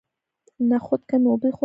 نخود کمې اوبه غواړي.